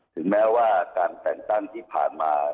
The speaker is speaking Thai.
ถึงแม้ว่าการแต่งตั้งที่ผ่านมา